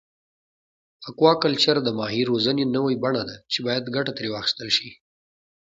اکواکلچر د ماهي روزنې نوی بڼه ده چې باید ګټه ترې واخیستل شي.